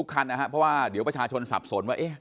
เพราะว่าเดี๋ยวประชาชนซับสนว่า